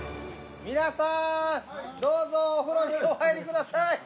皆さんどうぞお風呂にお入りください。